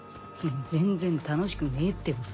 全然楽しくねえってばさ。